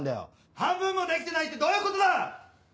半分もできてないってどういうことだ‼